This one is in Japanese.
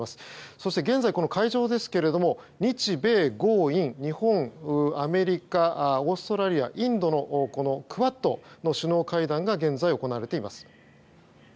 そして現在、会場ですけれども日米豪印、日本、アメリカオーストラリア、インドのクアッドの首脳会談が現在、行われています。